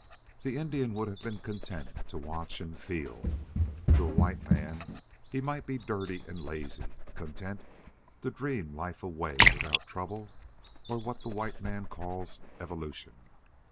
The Indian would have been content to watch and feel. To a white man he might be dirty and lazy content to dream life away without trouble or what the white man calls evolution.